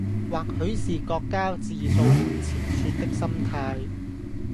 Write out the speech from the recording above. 或許是各家自掃門前雪的心態